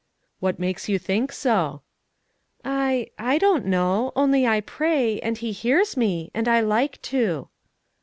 "What makes you think so?" "I I don't know; only I pray, and He hears me, and I like to."